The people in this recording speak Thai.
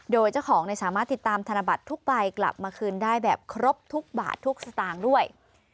โดยเจ้าของสามารถติดตามธนบัตรทุกใบกลับมาคืนได้แบบครบทุกบาททุกสตางค์ด้วย